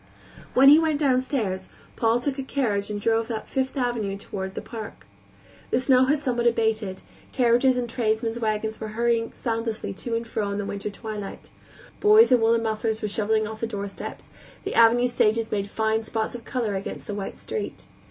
When he went downstairs Paul took a carriage and drove up Fifth Avenue toward the Park. The snow had somewhat abated; carriages and tradesmen's wagons were hurrying soundlessly to and fro in the winter twilight; boys in woolen mufflers were shoveling off the doorsteps; the avenue stages made fine spots of color against the white street.